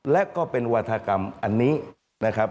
และก็เป็นวาธกรรมอันนี้นะครับ